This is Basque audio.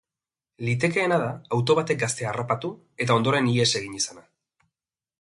Litekeena da auto batek gaztea harrapatu, eta ondoren ihes egin izana.